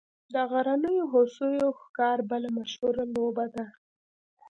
د غرنیو هوسیو ښکار بله مشهوره لوبه ده